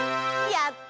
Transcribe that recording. やった！